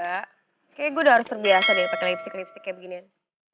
kayaknya gue udah harus terbiasa deh pakai lipstick lipstick kayak beginian